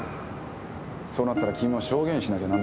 そうなったら君も証言しなきゃなんないんだよ。